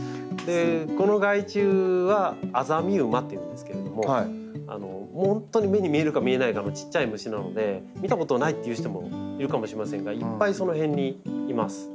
この害虫はアザミウマというんですけども本当に目に見えるか見えないかのちっちゃい虫なので見たことないっていう人もいるかもしれませんがいっぱいその辺にいます。